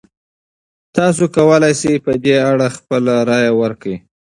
تاسو کولی شئ په دې اړه خپله رایه ورکړئ.